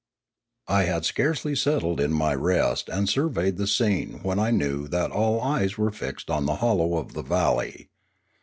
I had scarcely settled in my rest and surveyed the scene when I knew that all eyes were fixed on the hol low of the valley.